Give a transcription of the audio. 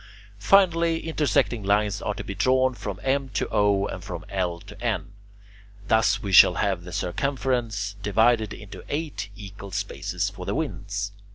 Finally, intersecting lines are to be drawn from M to O and from L to N. Thus we shall have the circumference divided into eight equal spaces for the winds.